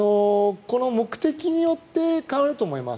目的によって変わると思います。